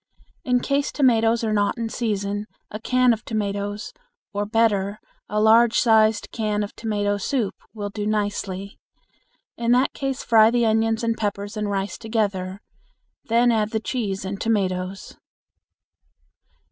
In case tomatoes are not in season, a can of tomatoes, or, better, a large sized can of tomato soup will do nicely. In that case fry the onions and peppers and rice together. Then add the cheese and tomatoes.